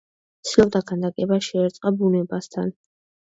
ცდილობდა ქანდაკება შეერწყა ბუნებასთან.